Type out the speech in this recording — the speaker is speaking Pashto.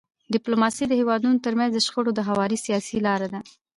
ډيپلوماسي د هیوادونو ترمنځ د شخړو د هواري سیاسي لار ده.